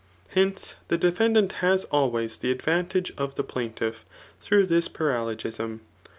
Heoce^ the defendaiit has always die advantage of the plaintiff; through this paralogism.